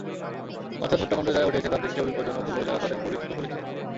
অর্থাৎ হত্যাকাণ্ড যারা ঘটিয়েছে, তাদের চেয়েও বিপজ্জনক হলো যারা তাদের প্ররোচিত করেছে।